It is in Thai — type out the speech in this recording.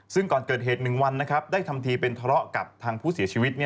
ซึ่งก่อนเกิดเหตุ๑วันได้ทำทีเป็นทะเลาะกับทางผู้เสียชีวิต